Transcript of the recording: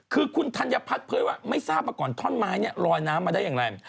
คือคุณธัญพัฒน์เผยว่าไม่ทราบมาก่อนท่อนไม้เนี่ยลอยน้ำมาได้อย่างไร